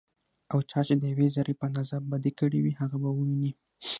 او چا چې ديوې ذرې په اندازه بدي کړي وي، هغه به وويني